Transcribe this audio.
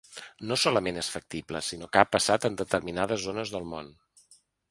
No solament és factible, sinó que ha passat en determinades zones del món.